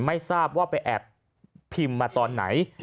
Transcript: ไม่ทราบว่าไปแอบพิมพ์มาตอนไหน